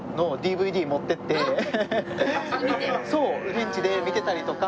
現地で見てたりとか。